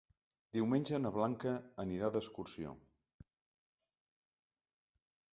Diumenge na Blanca anirà d'excursió.